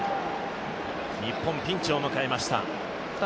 日本ピンチを迎えました。